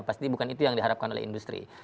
pasti bukan itu yang diharapkan oleh industri